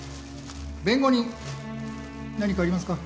弁護人何かありますか？